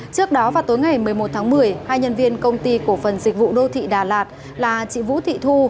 trước đó vào tối ngày một mươi một tháng một mươi hai nhân viên công ty cổ phần dịch vụ đô thị đà lạt là chị vũ thị thu